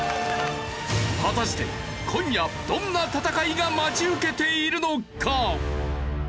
果たして今夜どんな戦いが待ち受けているのか！？